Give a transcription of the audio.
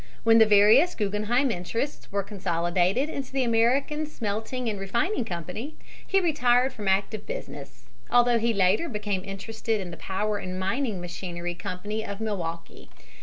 When the various Guggen heim interests were consolidated into the American Smelting and Refining Company he retired from active business, although he later became interested in the Power and Mining Machinery Company of Milwaukee.